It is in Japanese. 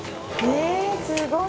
えすごい。